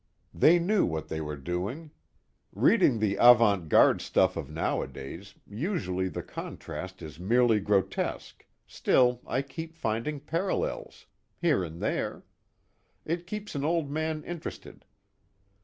They knew what they were doing. Reading the avant garde stuff of nowadays, usually the contrast is merely grotesque, still I keep finding parallels. Here and there. It keeps an old man interested.